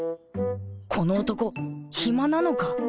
この男暇なのか？